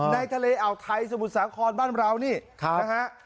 ในทะเลอ่าวไทยสมุทรสาครบ้านเรานี่นะฮะ